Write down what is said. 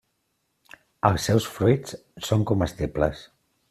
Els seus fruits són comestibles.